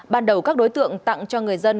ban đầu các đối tượng tặng cho người dân